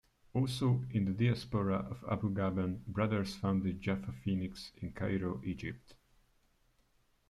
Also in the diaspora the Abu-Ghaben brothers founded Jaffa Phonix in Cairo, Egypt.